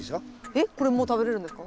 えっこれもう食べれるんですか？